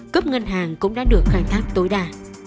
cấp ngân hàng cũng đã được khai thác tối đa